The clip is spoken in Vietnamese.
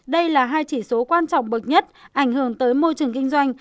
đây là hai chỉ số quan trọng bậc nhất ảnh hưởng tới môi trường kinh doanh